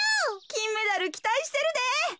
きんメダルきたいしてるで。